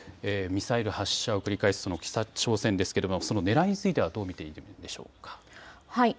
ミサイル発射を繰り返す北朝鮮ですけれども、そのねらいについてはどう見ていますでしょうか。